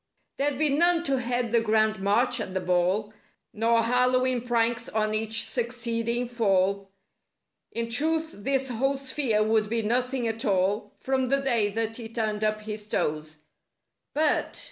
64 There'd be none to head the grand march at the ball;^ Noi Hallow'en pranks on each succeeding fall; In truth this whole sphere would be nothing at all— From the day that he turned up his toes. But!